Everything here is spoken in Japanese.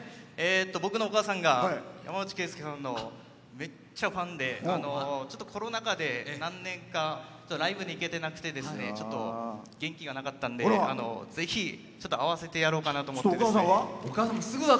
僕のお母さんが山内惠介さんのめっちゃファンでコロナ禍で何年かライブに行けてなくて元気がなかったんでぜひ、会わせてやろうかなとお母さんは？